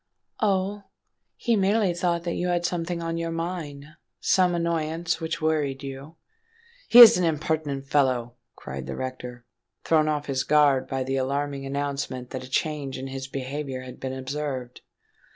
"Oh? he merely thought that you had something on your mind—some annoyance which worried you——" "He is an impertinent fellow!" cried the rector, thrown off his guard by the alarming announcement that a change in his behaviour had been observed.